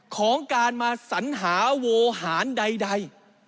ของการมาสัญหาโวหารใด